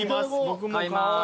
買います。